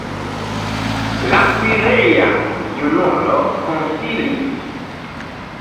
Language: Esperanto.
La kuireja junulo konsilis.